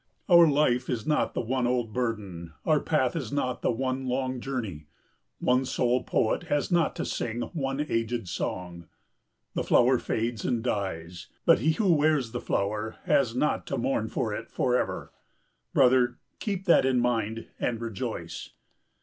Our life is not the one old burden, our path is not the one long journey. One sole poet has not to sing one aged song. The flower fades and dies; but he who wears the flower has not to mourn for it for ever. Brother, keep that in mind and rejoice.